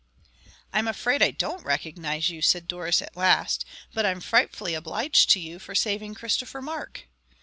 "I'm afraid I don't recognize you," said Doris at last; "but I'm frightfully obliged to you for saving Christopher Mark."